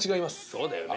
そうだよね。